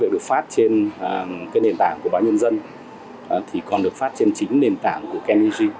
được phát trên cái nền tảng của báo nhân dân thì còn được phát trên chính nền tảng của kenny g